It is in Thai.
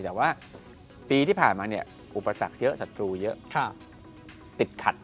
แต่ว่าปีที่ผ่านมาเนี่ยอุปสรรคเยอะศัตรูเยอะติดขัด